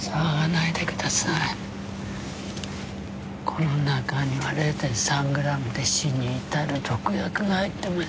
この中には０．３グラムで死に至る毒薬が入ってます。